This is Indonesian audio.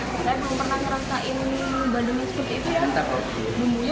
saya belum pernah merasakan bandeng yang seperti itu ya